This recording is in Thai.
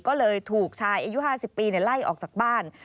ก็เลยถูกชายอายุ๕๐ปีไล่ออกจากบ้าน